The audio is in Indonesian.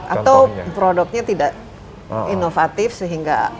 atau produknya tidak inovatif sehingga